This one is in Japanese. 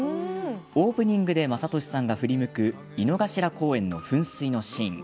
オープニングで雅俊さんが振り向く井の頭公園の噴水のシーン